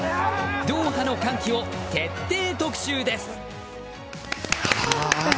ドーハの歓喜を徹底特集です。